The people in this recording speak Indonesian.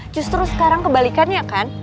justru sekarang kebalikannya kan